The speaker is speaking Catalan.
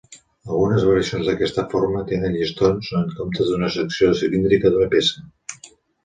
Algunes variacions d'aquesta forma tenen llistons en comptes d'una secció cilíndrica d'una peça.